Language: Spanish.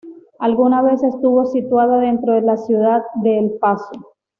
Alguna vez estuvo situada dentro de la ciudad de El Paso.